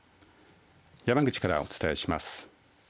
山口からお伝えします。